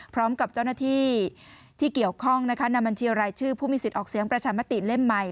พร้อมกับเจ้าหน้าที่ที่เกี่ยวข้องนะคะนำบัญชีรายชื่อผู้มีสิทธิ์ออกเสียงประชามติเล่มใหม่